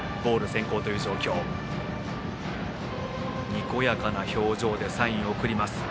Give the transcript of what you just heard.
にこやかな表情でサインを送ります。